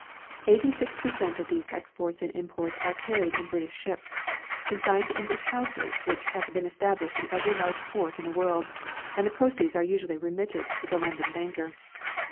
* Eighty seven per cent of these exports and imports are carried in British ships, consigned to English houses which have been established in ever}' large port in the world, and the ]jroceeds are usually remitted to the London banker.